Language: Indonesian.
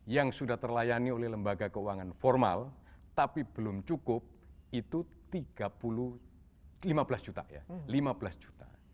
yang sudah terlayani oleh lembaga keuangan formal tapi belum cukup itu lima belas juta